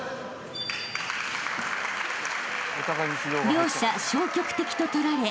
［両者消極的ととられ指導］